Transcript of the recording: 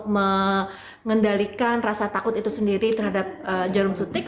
mengendalikan rasa takut itu sendiri terhadap jarum suntik